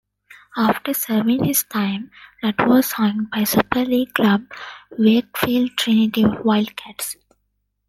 After serving his time, Latu was signed by Super League club Wakefield Trinity Wildcats.